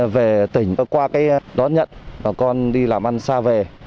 về tỉnh qua đón nhận bà con đi làm ăn xa về